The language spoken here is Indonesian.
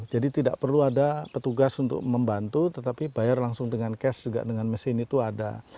jadi tidak perlu ada petugas untuk membantu tetapi bayar langsung dengan cash juga dengan mesin itu ada